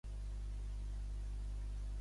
Al Consell de Relacions Laborals Nacional.